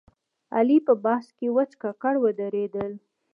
علي په بحث کې وچ ککړ ودرېدل.